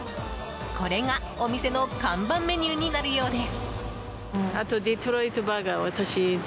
これがお店の看板メニューになるようです。